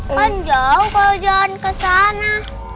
kan jauh kalau jalan ke sana